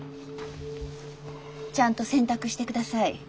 ちゃんと選択してください。